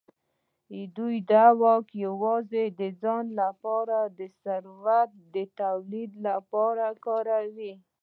دوی دا واک یوازې د ځان لپاره د ثروت د تولید لپاره کاروي.